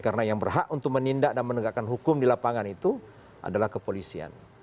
karena yang berhak untuk menindak dan menegakkan hukum di lapangan itu adalah kepolisian